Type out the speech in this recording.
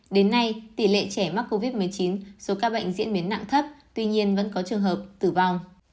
đến nay tỷ lệ trẻ mắc covid một mươi chín số ca bệnh diễn biến nặng thấp tuy nhiên vẫn có trường hợp tử vong